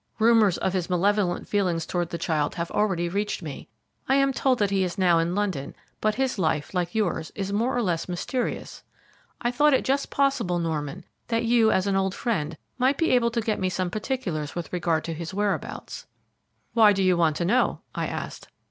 Rumours of his malevolent feelings towards the child have already reached me. I am told that he is now in London, but his life, like yours, is more or less mysterious. I thought it just possible, Norman, that you, as an old friend, might be able to get me some particulars with regard to his whereabouts." "Why do you want to know?" I asked.